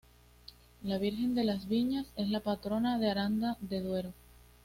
La Virgen de las Viñas es la patrona de Aranda de Duero.